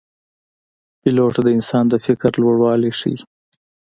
پیلوټ د انسان د فکر لوړوالی ښيي.